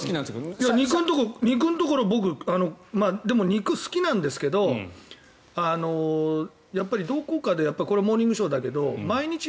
肉のところでも肉、好きなんですけどやっぱりどこかで「モーニングショー」だけど毎日１００ｇ